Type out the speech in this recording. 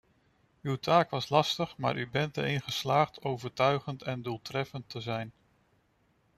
Uw taak was lastig, maar u bent erin geslaagd overtuigend en doeltreffend te zijn.